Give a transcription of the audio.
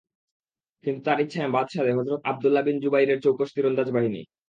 কিন্তু তার ইচ্ছায় বাঁধ সাধে হযরত আব্দুল্লাহ বিন জুবাইরের চৌকস তীরন্দাজ বাহিনী।